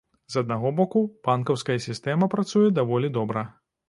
З аднаго боку, банкаўская сістэма працуе даволі добра.